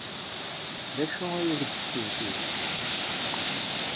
D acu ay ak-d-testewtiw?